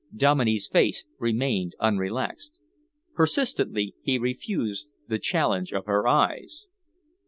Dominey's face remained unrelaxed. Persistently he refused the challenge of her eyes.